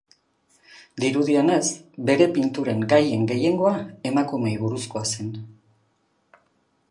Dirudienez, bere pinturen gaien gehiengoa emakumeei buruzkoa zen.